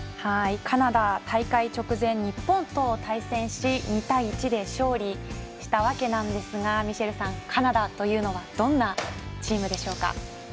カナダ大会直前日本と対戦し２対１で勝利したわけなんですがカナダはどんなチームでしょうか？